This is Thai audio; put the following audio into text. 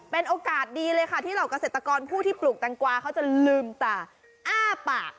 เป็นโอกาสดีเลยค่ะที่เหล่าเกษตรกรผู้ที่ปลูกแตงกวาเขาจะลืมตาอ้าปาก